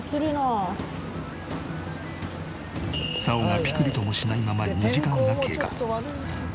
竿がピクリともしないまま２時間が経過。